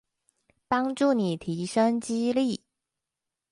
幫助你提升肌力